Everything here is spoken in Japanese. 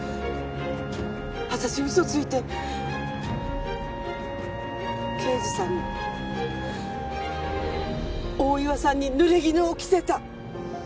私嘘ついて刑事さんに大岩さんに濡れ衣を着せた。